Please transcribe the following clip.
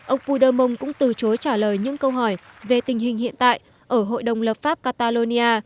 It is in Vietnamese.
ông puder mon cũng từ chối trả lời những câu hỏi về tình hình hiện tại ở hội đồng lập pháp catalonia